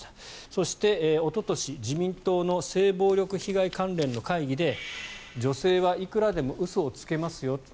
そして、おととし自民党の性暴力被害関連の会議で女性はいくらでも嘘をつけますよと。